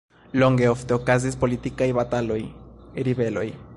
Longe ofte okazis politikaj bataloj, ribeloj.